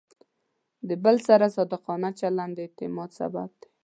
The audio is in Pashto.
د بل سره صادقانه چلند د اعتماد سبب دی.